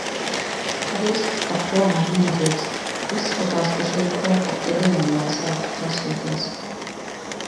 Risks tak tomēr milzīgs. Izskatās, ka šī ir perfekta diena lai sāktu kasīties.